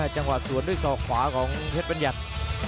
จังหวะสวนด้วยศอกขวาของเพชรบัญญัติ